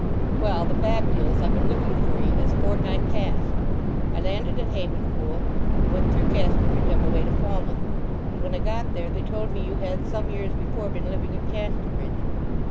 Well, the fact is, I've been looking for 'ee this fortnight past. I landed at Havenpool and went through Casterbridge on my way to Falmouth, and when I got there, they told me you had some years before been living at Casterbridge.